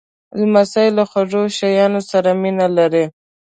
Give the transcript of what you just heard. لمسی له خواږه شیانو سره مینه لري.